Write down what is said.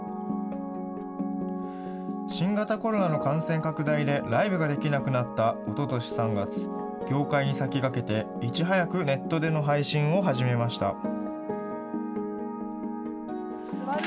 新型コロナの感染拡大でライブができなくなったおととし３月、業界に先駆けて、いち早くネットでの配信を始めました。